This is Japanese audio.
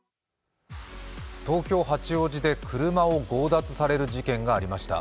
東京・八王子で車を強奪される事件がありました。